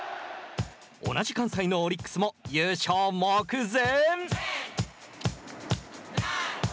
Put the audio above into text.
同じ関西のオリックスも優勝目前。